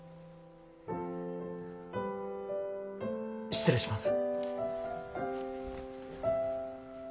失礼します。